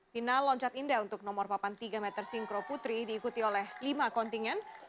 final loncat indah untuk nomor papan tiga meter sinkro putri diikuti oleh lima kontingen